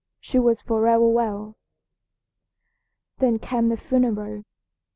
She was forever well. "Then came the funeral.